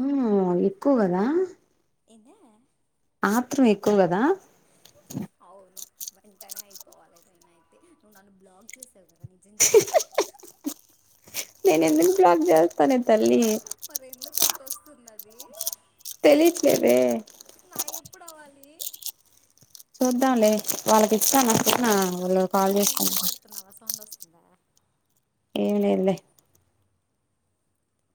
హ్మ్ ఎక్కువ కదా అంటే ఆత్రం ఎక్కువ కదా అవును వెంటనే అయిపోవాలిమైనా అయితే నువ్వు నన్ను బ్లాగ్ చేసేవ నేను ఎందు బ్లాక్ చేస్తాను మరి ఎందుకు అంట వస్తున్నది తేలిట్లేదే ఎప్పుడు అవ్వాలి చూద్దాంలే వాళ్ళకి ఇస్తానా సేన ఏంది ఏం కలిపెడుతున్నావా సౌండ్ వస్ దా ఏం లేదు లే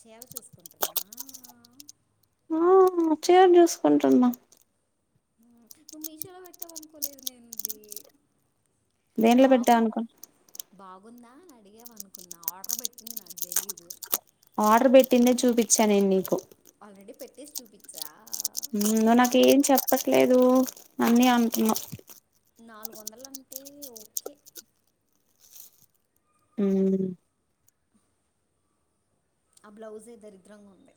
చీర చూసుకుంటున్నా ఆ చీర చూసుకుంటున్నా నువ్ మీషోలో పెట్టావ అనుకోలేదు నేను ఇది దేంట్లో పెట్టా బాగు అనుకోం బాగుందా అని అడిగేవ అనుకున్నా ఆర్డర్ పెట్టింది నాకు తెలీదు ఆర్డర్ పెట్టిందే చూపించా నేను నీకు ఆల్రెడీ పెట్టేసి చూపించా నువ్ నాలుగు నాకేం వందలు చెప్పట్లేదు అన్నీ అంటున్నవ్ నాలుగు వందలు అంటే ఓకే హ్మ్మ్ ఆ బ్లౌజే దరిద్రంగా ఉంది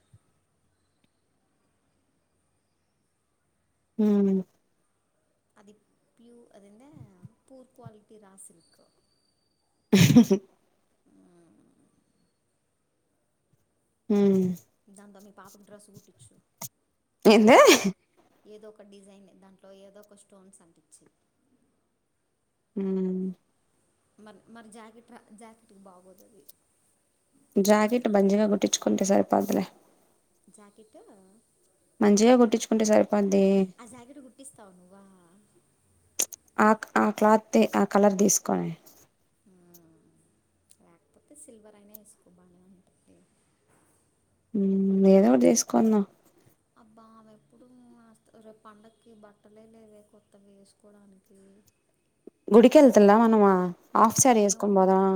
హ్మ్మ్ అది ప్యూ అదెందే పూర్ క్వాలిటీ రా సిల్క్ ఉమ్మ్ దాంతోా మీ పాపకు డ్రస్ కుట్టిచ్చు ఏదో ఏందే ఒకటి ఏదో ఒక డిజైన్ దాంట్లో ఏదో ఒక స్టోన్స్ అంటుచేయి ఉమ్మ్ మరి మరి జాకెట్ రా జాకెట్కి బాగోదు అది ప్లెయిన్ జాకెట్ ఉంది బంజిగా గుట్టించుకుంటే సార్ పదులే జాకెట్ మంచిగా కొట్టించుకుంటే సరే ఆ జాకెట్ కుట్టిస్తావు్ నువ్వా ఆ ఆ క్లాత్ ఆ కలర్ తీసుకొని హ్మ్మ్ లేకపోతే సిల్వర్ అయినా వేసుకో బానే ఉంటుంది ఏదో ఒకటి తీసుకున్నా అబ్బా ఆమె ఎప్పుడు రేపు పండకి బట్టలే లేవే కొత్తవి వేసుకోవడానికి గుడికి వెళ్తులా మనమూ ఆఫ్ సారీ వేసుకొని ఏమో పోదామా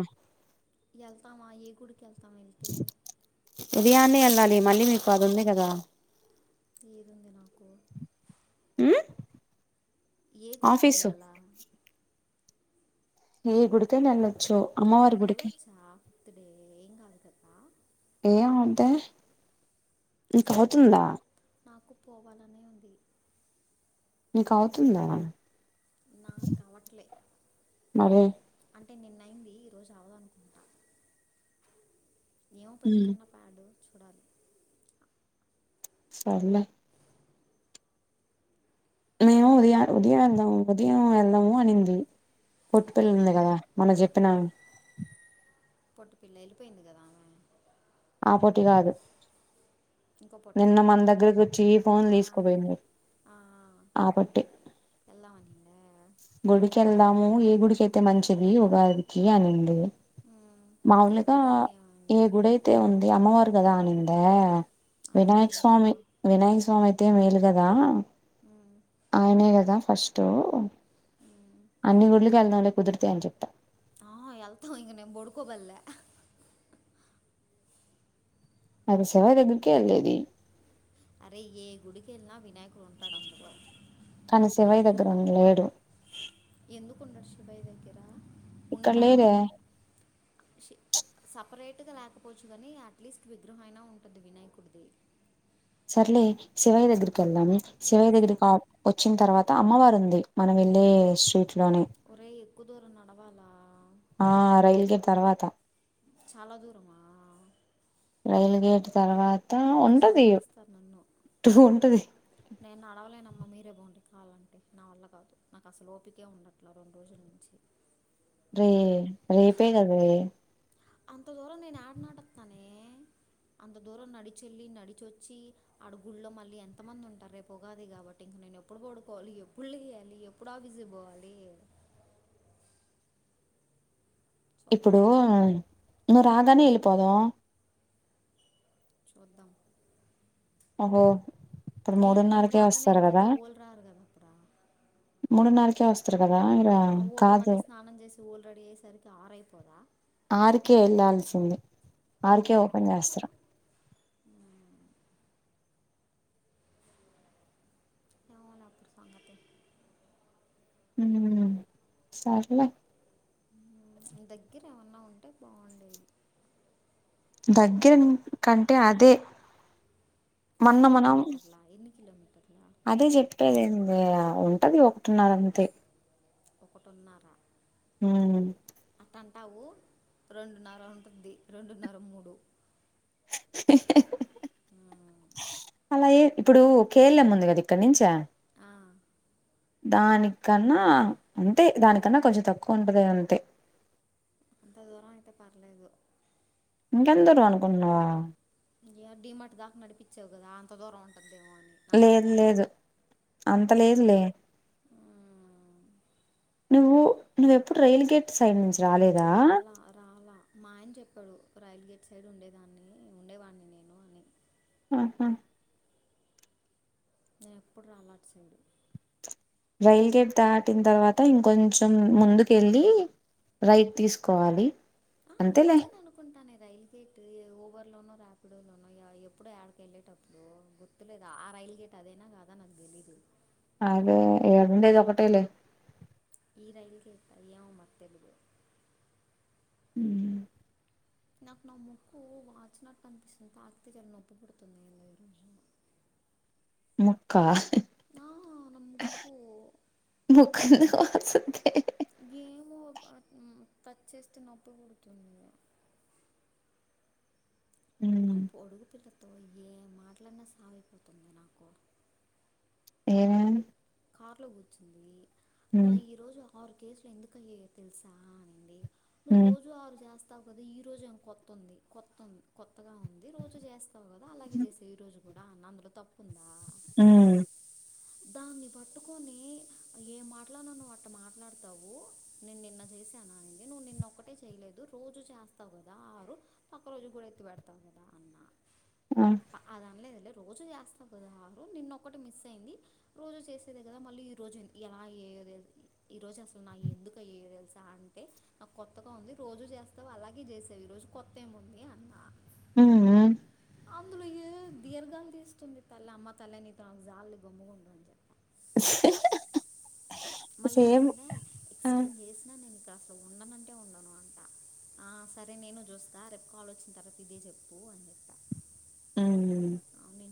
కెల్తం వెళ్తే ఉదయాన్నే వెళ్ళాలి మళ్ళీ మీకు అది ఉంది కదా ఏది ఉంది నాకు ఉమ్, ఏ గుడికి ఆఫీసు వెళ్ళాలా హే గుడి కైన ఎల్ల రేపు నేను ఏళ్ళచ్చ ఫిఫ్త్ డే ఏం గాదు కదా ఏయా మంటే ఇంకా సరే అవుతుందా పోదాం నాకు పోవాలనే ఉంది నీకు అవుతుందా నాకు అవట్లే మరి అంటే అంటే నిన్నయింది ఈ రోజు అవదనుకుంటా ఏమో ఉమ్, పెట్టుకున్న ప్యాడ్ చూడాలి సర్లే మేము ఉదయం ఉదయం వెళ్దాము ఉదయం వెళ్దాము అనింది కొట్టు పల్లి ఎవరు ఉంది కదా మనం చెప్పినా పొట్టు పిల్ల వెళ్ళిపోయింది కదా ఆమె ఆ పోటీ కాదు ఇంకో పొట్టే నిన్న మన దగ్గరకి వచ్చి ఫోన్లు ఆ, తీసుకుపోయింది ఆ, ఆబట్టి వెళ్దామనిందే గుడికి వెళ్దాం ఏ గుడికియితే మంచిది ఉగాదికి అనింది మ్మ్. ఏ మాములుగా గుడి అయితే ఏ ఏమైందే గుడయితే ఉంది అమ్మవారికి పోదాం అనిందా అట్లేం వినాయక స్వామి లేదమ్మా వినాయక స్వామి అయితే మేలు కదా మ్మ్, ఆయనే కదా ఫస్ టూ మ్మ్. అన్ని గుడ్లుకి వెళ్దాంలే కుదురితే అని చెప్తా. ఆ ఎల్తం ఇగ నేను బడుకోబల్లె అది సవ దగ్గరికే వెళ్లేది అరే ఏ గుడికెళ్లనా వినాయక కాని శివయ్య దెగ్గ లేడు ఎందుకు ఉండడు శివయ్య దగ్గర ఉంటాడు ఇక్కడ్లేదే సపరేట్గా లేకపోవచ్చు కానీ అట్లీస్ట్ విగ్రహంమయినా ఉంటుంది వినాయకుడిది సర్లే శివయ దగ్గరకి వెళ్ళము శివయ దగ్గరికి సరే వచ్చిన తర్వాత అమ్మవారు ఉంది మనం వెళ్ళే స్ట్రీట్ లోనే ఒరే ఎక్కువ దూరం నడవాలా? త చాలా దూరమా రైల్ గేట్ తర్వా చంపేస్తరు నన్ను టూ ఉంటది నేను నడవలేనమ్మ మీర్ రే పోండి కావాలంటే నా వల్ల కాదు నాకు అసలు ఓపికే ఉండట్లా రెండు రోజుల నుంచి. రేయ్ రేపే కదా వే అంత దూరం నేను ఏడ నడుత్తానే, అంత దూరం నడిచెళ్ళి నడిచొచ్చి, ఆడ గుళ్ళొ మళ్ళీ ఎంతమంది ఉంటారు రేపు ఉగాది కాబట్టి ఇంక నేను ఎప్పుడు పడుకోవాలి ఎప్పుడు లెయ్యాలి ఎప్పుడు ఆఫీజ్ పోవాలి. చూద్దాం ఇప్పుడూ నువు రాగానేే ఏళ్ళిపోదం. చూద్దం అబ్బో నేన్ నేను రాగానే ఎళ్ళిపోతే ఓళ్ళు రారు కదా అక్కడ చూస్త్రు ఆ ఓళ్ళు మళ్ళీ స్నానం చేసి ఓళు రెడీ అయ్యేసరికి ఆరైపోదా? ఉంది ఆర్కే ఓపెన్ చేస్తర ఏవోనే అప్పుడు సంగతి. మ్మ్ సర్లే. మ్, దగ్గర ఏమన్నా ఉంటే బాగుండేది. దగ్గర కంటే అదే మొన్న ఎన్ని మనం కిలోమీటర్లా ఎన్ని కిలోమీటర్లా అదే చెప్పేదేందె ఉంటది ఒకటిన్నర అంతే! ఒకటి ఉన్నారా హ అంటావు రెండున్నర ఉంటుంది రెండున్నర మూడు అలాగే ఇప్పుడు కే ఎల్ ఎమ్ ఉంది కదా ఇక్కడి నించా ఆ దానికన్నా అంతే దానికన్నా కొంచెం తక్కువ ఉంటంది అంతే. అంత దూరం అయితే పర్లేదు. ఇంకెంత దూ అనుకున్నావు ఈ డీ మార్ట్ దాకా నడిపిచ్చావు కదా అంత దూరం ఉంటది. లేదు లేదు అంత లేదు లే. మ్మ్. నువ్వు నువ్వెప్పుడు రైల్ గేట్ సైడ్ నించి రాలా రాలా మా ఆయన చెప్పాడు. రాయల్ గేట్ సైడ్ ఉండేదాన్ని, ఉండేవాడిని నేను అని ఆహా నేను ఎప్పుడు రాలే అటు సైడ్ రైల్ గేట్ దాటిన తర్వాత ఇంకొంచం ముందుకు వెళ్ళి, రైట్ తీసుకోవాలి ఆ అంతేలే వచ్చానానుకుంటా నేను రైల్ గేట్ ఓవర్లోనో ర్యాడోలోనో యా ఇ ఎప్పుడో ఏడకి వెళ్ళేటప్పుడు గుర్తులేదు, ఆ రైల్ గేట్ అదేనా కాదా నాకు తెలీదు అదే ఈడ ఉండేది ఒకటేలే ఈ రైల్కి ఎక్కి ఎమో మరి తెలిదు అ నాకు నా ముక్కు వాచినట్టు అనిపిస్తుంది ఆకతి చాలా నొప్పి పుడుతుంది ముక్క నా నా ముక్కు ముక్కన్న వాసుద్ది టచ్చేస్ట్ నొప్పి పుడుతుంది అప్పు [unintelligible] తో ఏమ్ మాట్లాడినా సాగిపోతుంది నాకు ఏమి కార్లో కూర్చుంది నా ఈ రోజు ఆరు కేసులు ఎందుకు అయ్యాయో తెలుసా అనండి నువ్ ఉమ్ రోజు ఆరు జాస్తి కొత్తావు కదా ఈ రోజు ఎమ్ కొత్తంది కొత్తంది కొత్తగా ఉంది, రోజు చేస్త అవు కదా అలాగే చేసే ఈ రోజు కూడా అన్న అందులో తప్పు ఉందా? ఆహ్ దాన్ని పట్టుకొని ఏ మాట్లానను నువ్వు అట్ల మాట్లాడతావు నేను నిన్న చే చేసానా అనింది నువ్వు నిన్నొక్కటే చేయలేదు రోజు చేస్తావు కదా ఆరు పక్క రోజు కూడా ఎత్తి పెడతావు కదా అన్న ఆ ఆహ్ అది అనలేదు లే రోజు చేస్తా కదా ఆరు నిన్న ఒకటి మిస్ అయింది. రోజు చేసేదే కదా మళ్ళీ ఈరోజు ఎలా ఏ్య ఈరోజు అసలు నాకు ఎందుకు వే్యో తెలుసా అంటే నాకు కొత్తగా ఉంది రోజు చేస్తావు అలాగే చేసావు ఈరోజు కొత్త ఏమి ఉంది అన్న ఉమ్ ఉమ్. అందులోయ దీర్ఘాలు తీస్తుంది తల్ల అమ్మ తల్లని తన జాలలు గమ్ముగు మళ్ళీ సేమ్ అంటుందా ఆ ఎక్స్టెండ్ చేసినా నేను కా ఆ ఉండనంటే ఉండను అంట ఆ సరే నేను చూస్తా రేపు కాల్ వచ్చిన తర్వాత ఇదే చెప్పు అని చెప్పా ఉహ్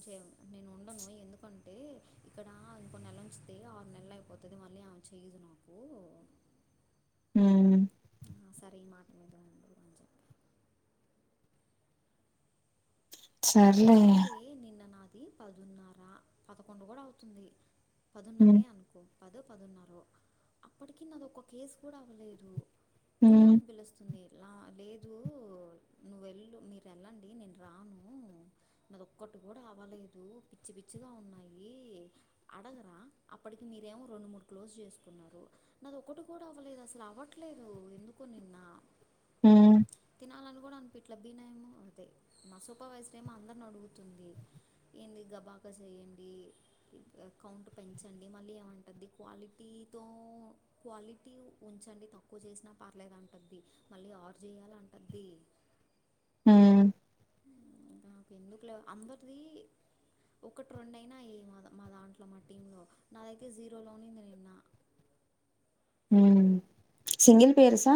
చెయన్ నేను ఉండను మా ఎందుకంటే ఇక్కడ ఇంకో నెల ఉంచితే ఆరు నెల్లు అయిపోతుంది మా లే ఆహ్ చెయ్యర్ నువ్వు ఉహ్ సరే ఈ మాట మీద ఉండు అని చెప్పాను సర్లే కాదే నిన్న నాద్ పది పదున్నర పదకొండు కూడా అవుతుంది. ఉమ్ పదున్నరే అనుకో పదో పదున్న అప్పటికి నాది ఒక కేసు కూడా అవ్వలేదు హ్మ్ తినడానికి పిలుస్తుంది ఇలా లేదు నువ్్వవు వెళ్ళు మీరు వెళ్ళండి నేను రాను నాదిొక్కటి కూడా అవ్వలేదు పిచ్చి పిచ్చిగా ఉన్నాయి అడగరా అప్పటికి మీరేమో రెండు మూడు క్లోజ్ చేసుకున్నారు నాదిక్కటి కూడా అవ్వలేదు అసలు అవ్వట్లేదు ఎందుకో నిన్న హ్మ్ తనాను కూడా అనికిపి ఇట్ల బీనము అంతే మా సొ గొప్ప వయసులో ఏమో అందరిని అడుగుతుంది ఏంది గబాగా చేయండి కౌంట్ పెంచండి మళ్ళీ ఏమంటుంది క్వాలిటీతో క్వాలిటీ ఉంచండి తక్కువ చేసినా పర్లేదు అంటుది మళ్ళీ ఆర్డ చేయాలంటది హ నాకు ఎందుకు లేవు అందరిది ఒకటి రెం అయినా ఏ మా మా దాంట్లో మా టీంలో నా దగ్గర జీరోలోనేంది నిన్న హుమ్ సింగిల్ పెరేసా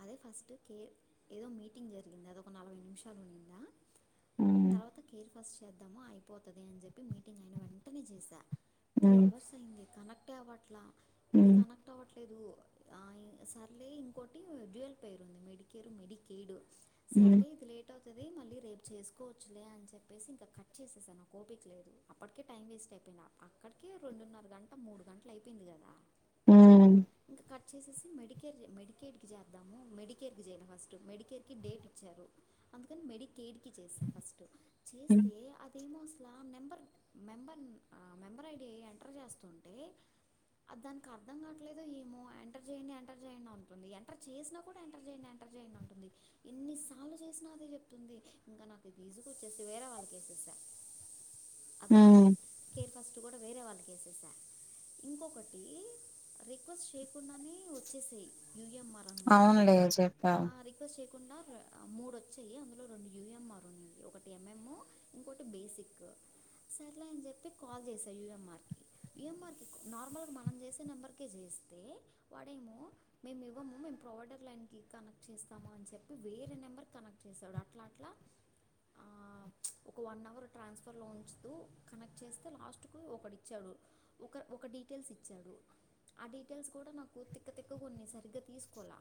అదే ఫస్ట్ కేర్ ఏదో మీటింగ్ జరిగింది అద ఒక నలభై నిమిషాలు ఉన్నిందా హ్మ్. తర్వాత కేర్ ఫస్ట్ చేద్దామ అయిపోతుంది అని చెప్పి మీటింగ్ అయిన వెంటనే చేశా టూ హ్మ్. అవర్స్ అయింది కనెక్టే అవ్వట్లా ఇది హ్మ్. కనెక్ట్ అవ్వట్లేదు సర్లే ఇంకో హమ్ జువల్ పైరు ఉంది మెడికేరింగ్ మెడికెడు హ్మ్. సర్లే ఇదిలేట్ కట్ అవుతుంది మళ్ళీ రేపు చేసుకోవచ్చులే అని చెప్పేసి ఇంకా కట్ చేసేసా నాకు ఓపిక లేదు అప్పటికే టైం వేస్ట్ అయిపోయింది అక్కడికే రెండున్నర గంటల మూడు గంటలు అయిపోయింది కదా ఆ ఇంకా కట్ చేసేసి మెడికే మెడి కి చేద్దాము మెడికేర్ క చేయలే ఫస్ట్ మెడికేర్ కి డేట్ ఇచ్చారు అందుకని మెడికేడ్ కి చేసా ఫస్ట్ హ్మ్. చేస్తే అదేమో అసలా member member member ID enter చేస్తుంటే దానికి అర్థం కావట్లేదు ఏమో ఎంటర్ చేయండి ఎంటర్ చేయండి అ ఎంటర్ చేసినా కూడా ఎంటర్ చేయండి ఎంటర్ చేయండి అంటుంది ఎన్నిసార్లు చేసినా అదే చెప్తుంది ఇంకా నాకు విసుగు వచ్చేసి వేరే వాళ్ళకిచేసా అదొకటి హ్మ్. కేర్ ఫస్ట్ గు వేరే వాళ్ళ కేసేసా ఇంకొకటి రిక్వెస్ట్ చేయకుండానే వచ్చేస్ అవునులే చెప్పావ్ ఆ, రిక్వెస్ట్ మూడు వచ్చాయి అందులో రెండు యూఎంఆర్ ఉన్నాయి ఒకటి ఎంఎంఓ ఇంకోటి బేసిక్ సర్లే అని చెప్పి కాల్ చేసా యూఎంఆర్కి యూఎంఆర్కి నార్మల్గా మనం చేసే నెంబర్కే చేస్తే వాడేమో మేము ఇవ్వము మేము ప్రొవైడర్ లైన్కి కనెక్ట్ చేస్తాము అని చెప్పి వేరే నెంబర్ కనెక్ట్ చేశాడు అట్లా అట్లా ఒక వన్ అవర్ ట్రాన్స్ఫర్లో ఉంచుతూ కనెక్ట్ చేస్తే లాస్ట్కు ఒకటి ఇచ్చాడు ఒక ఒక డీటెయిల్స్ ఇచ్చాడు ఆ డీటెయిల్స్ కూడా నాకు తిక్కతిక్క కొన్ని సరిగ్గా తీసుకోవాల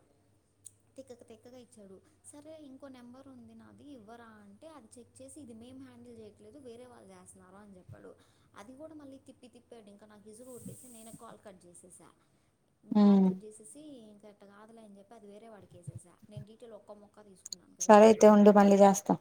తిక్కక తెక్కగా ఇచ్చాడు సరే ఇంకో నెంబర్ ఉంది నాది ఇవ్వరా అంటే అది చెక్ చేసి ఇది మేం హ్యాండిల్ చేయట్లేదు వేరే వాళ్ళు చేస్తున్నారు అని చెప్పాడు అది కూడా మళ్ళీ తిప్పి తిప్పాడు ఇంకా నాకు విసుగు కొట్టేసి నేనే కాల్ కట్ చేసేసా కాల్ హుమ్ కట్ చేసేసి ఇంక ట్టకాదులే అని చెప్ప అది వేరే వాడి కేసేశా నేన్ డీటెల్ ఒక్క ముక్క తీస్ సరే అయితే ఉండు మళ్ళీ జాస్తా